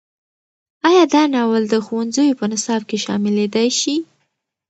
ایا دا ناول د ښوونځیو په نصاب کې شاملېدی شي؟